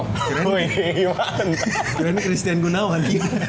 keren nih christian gunawan